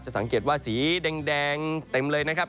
สังเกตว่าสีแดงเต็มเลยนะครับ